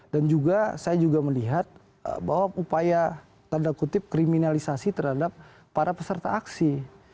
dan juga saya juga melihat bahwa upaya tanda kutip kriminalisasi terhadap para peserta aksi